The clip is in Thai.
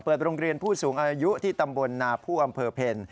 โรงเรียนผู้สูงอายุที่ตำบลนาผู้อำเภอเพล